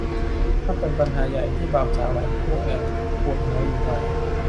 นับเป็นปัญหาใหญ่ที่บ่าวสาวหลายคู่แอบปวดหัวอยู่หน่อย